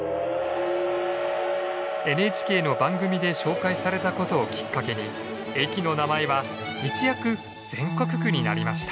ＮＨＫの番組で紹介されたことをきっかけに駅の名前は一躍全国区になりました。